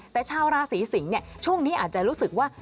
แต่ชาวราศีสิงศ์ช่วงนี้อาจจะรู้สึกว่า